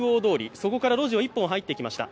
そこから路地を１本入ってきました。